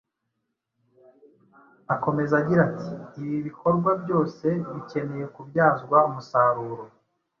Akomeza agira ati:”ibi bikorwa byose bikeneye kubyazwa umusaruro